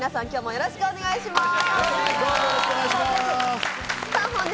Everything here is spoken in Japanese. よろしくお願いします。